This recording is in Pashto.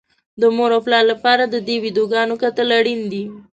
د مور او پلار لپاره د دې ويډيوګانو کتل اړين دي.